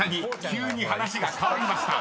急に話が変わりました］